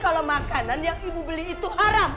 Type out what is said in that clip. kalau makanan yang ibu beli itu haram